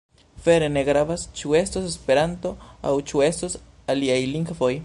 Vere ne gravas ĉu estos Esperanto aŭ ĉu estos aliaj lingvoj.